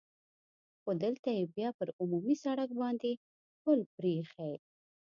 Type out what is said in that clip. خو دلته یې بیا پر عمومي سړک باندې پل پرې اېښی.